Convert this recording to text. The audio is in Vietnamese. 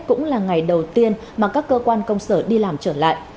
cũng là ngày đầu tiên mà các cơ quan công sở đi làm trở lại